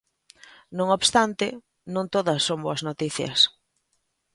Non obstante, non todas son boas noticias.